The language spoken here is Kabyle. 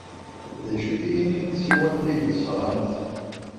D acu-t yini n tsiwant ay d-tesɣamt?